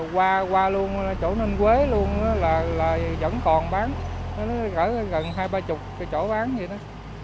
qua luôn chỗ ninh quế luôn là vẫn còn bán gần hai ba chục cái chỗ bán vậy đó